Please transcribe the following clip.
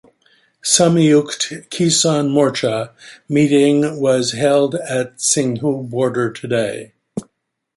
Samyukt Kisan Morcha meeting was held at Singhu Border today.